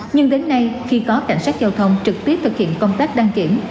nhưng đến nay khi có cảnh sát giao thông trực tiếp thực hiện công tác đăng kiểm